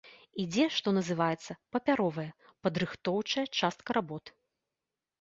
Ідзе, што называецца, папяровая, падрыхтоўчая частка работ.